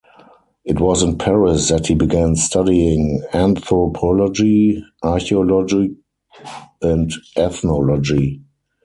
It was in Paris that he began studying anthropology, archaeology and ethnology.